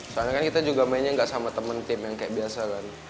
soalnya kan kita juga mainnya nggak sama temen tim yang kayak biasa kan